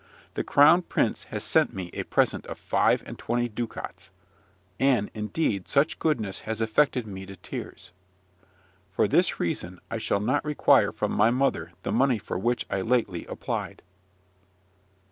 The crown prince has sent me a present of five and twenty ducats; and, indeed, such goodness has affected me to tears. For this reason I shall not require from my mother the money for which I lately applied.